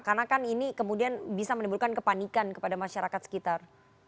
karena kan ini kemudian bisa menimbulkan kepanikan kepada masyarakat sekitar